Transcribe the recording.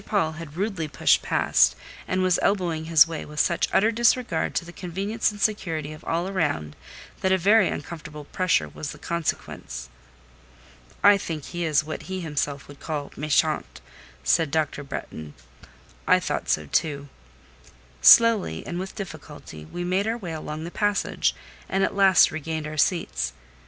Paul had rudely pushed past, and was elbowing his way with such utter disregard to the convenience and security of all around, that a very uncomfortable pressure was the consequence. "I think he is what he himself would call 'méchant,'" said Dr. Bretton. I thought so, too. Slowly and with difficulty we made our way along the passage, and at last regained our seats.